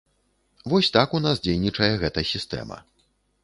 Вось так у нас дзейнічае гэта сістэма.